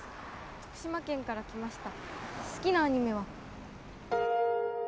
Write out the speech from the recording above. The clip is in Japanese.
徳島県から来ました